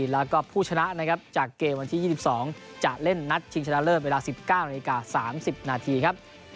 แล้วก็ผู้ชนะนะครับจากเกมวันที่๒๒จะเล่นนัดชิงชนะเลิศเวลา๑๙นาฬิกา๓๐นาทีครับ